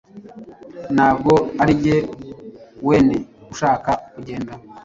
Ntabwo arinjye weine ushaka kugenda.